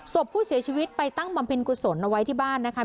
ศพผู้เสียชีวิตไปตั้งบำเพ็ญกุศลเอาไว้ที่บ้านนะคะ